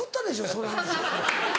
その話。